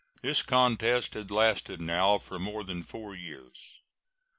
This contest has lasted now for more than four years.